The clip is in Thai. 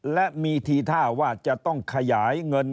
และมีทีท่าว่าจะต้องขยายเงิน